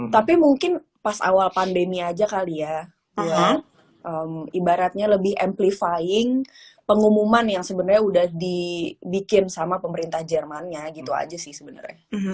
tapi mungkin pas awal pandemi aja kali ya ibaratnya lebih amplifying pengumuman yang sebenarnya udah dibikin sama pemerintah jermannya gitu aja sih sebenarnya